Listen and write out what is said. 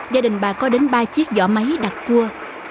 gia đình bà có đến ba chiếc giỏ máy đặt cua